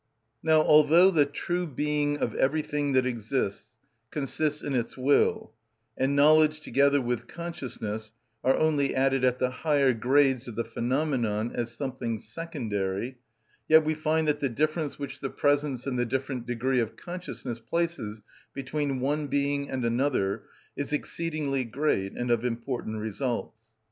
Now, although the true being of everything that exists consists in its will, and knowledge together with consciousness are only added at the higher grades of the phenomenon as something secondary, yet we find that the difference which the presence and the different degree of consciousness places between one being and another is exceedingly great and of important results.